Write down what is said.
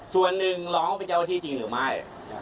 ส่วนหนึ่งร้องเป็นเจ้าหน้าที่จริงหรือไม่